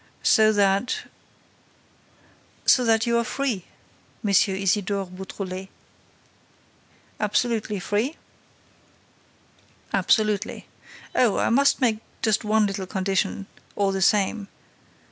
"So that—" "So that you are free, M. Isidore Beautrelet." "Absolutely free?" "Absolutely. Oh, I must make just one little condition, all the same.